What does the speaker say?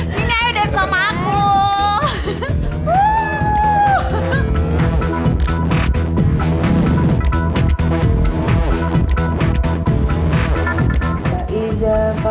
sini ayo dance sama aku